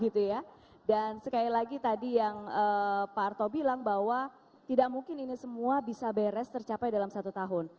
dan sekali lagi tadi yang pak arto bilang bahwa tidak mungkin ini semua bisa beres tercapai dalam satu tahun